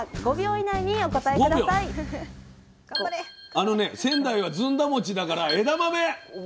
あのね仙台はずんだ餅だから枝豆！